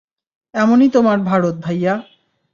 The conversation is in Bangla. এমনই তোমার ভারত ভাইয়া।